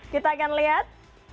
kita akan lihat